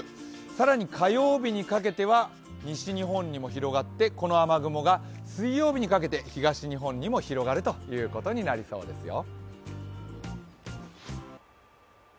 更に火曜日にかけては西日本にも広がってこの雨雲が水曜日にかけて東日本にも広がることになりそうですよ。